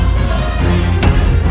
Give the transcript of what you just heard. apakah kita akan menemukan nimas